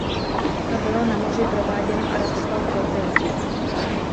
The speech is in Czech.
To bylo na moři prováděno arabskou flotilou.